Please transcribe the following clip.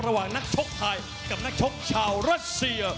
นักชกไทยกับนักชกชาวรัสเซีย